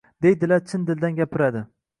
deydiganlar, chin dildan gapiradi…